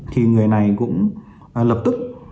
thì người này cũng lập tức